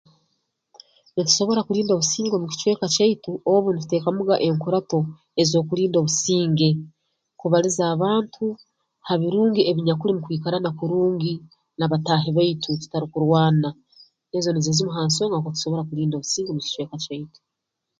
Nitusobora kulinda obusinge mu kicweka kyaitu obu nituteekamuga enkurato ez'okulinda obusinge kubaliza abantu ha birungi ebinyakuli mu kwikarana kurungi na bataahi baitu tutarukurwana ezo nizo zimu ha nsonga nukwo tusobora kulinda obusinge omu kicweka kyaitu